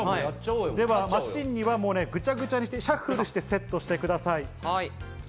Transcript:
マシンにはぐちゃぐちゃにシャッフルしてセットしてください。